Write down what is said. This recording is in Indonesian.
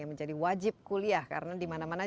menjadi wajib kuliah karena di mana mana